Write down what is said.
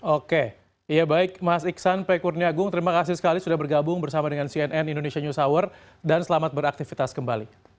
oke ya baik mas iksan pkurniagung terima kasih sekali sudah bergabung bersama dengan cnn indonesia news hour dan selamat beraktivitas kembali